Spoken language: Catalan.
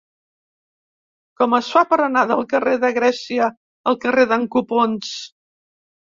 Com es fa per anar del carrer de Grècia al carrer d'en Copons?